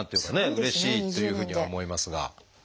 うれしいっていうふうには思いますが。